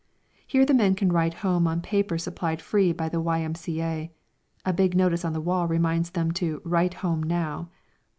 Here the men can write home on paper supplied free by the Y.M.C.A. (A big notice on the wall reminds them to "Write home now.")